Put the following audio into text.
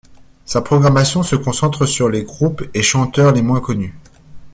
Sa programmation se concentre sur les groupes et chanteurs les moins connu.